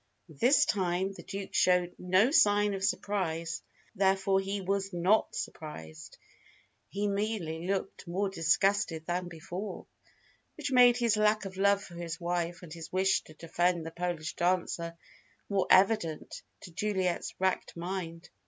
This time the Duke showed no sign of surprise, therefore he was not surprised. He merely looked more disgusted than before, which made his lack of love for his wife and his wish to defend the Polish dancer more evident to Juliet's racked mind.